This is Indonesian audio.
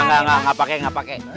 enggak enggak nggak pakai nggak pakai